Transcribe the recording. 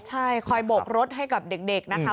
ใช่คอยโบกรถให้กับเด็กนะคะ